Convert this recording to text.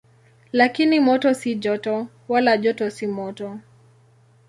Lakini moto si joto, wala joto si moto.